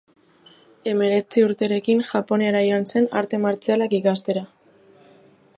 Hemeretzi urterekin, Japoniara joan zen arte martzialak ikastera.